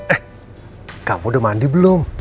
eh kamu udah mandi belum